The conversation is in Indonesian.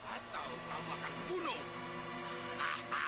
atau kamu akan dibunuh